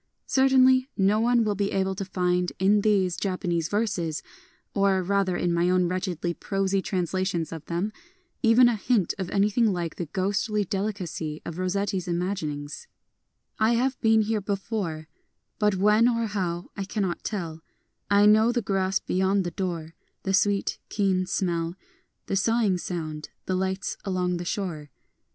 Cer tainly no one wiU be able to find in these Japanese verses — or, rather, in my own wretchedly prosy translations of them — even a hint of anything like the ghostly delicacy of Rossetti's imagining :— I have been here before, — But when or how I cannot tell : I know the grass beyond the door, The sweet, keen smell, The sighing sound, the lights along the shore.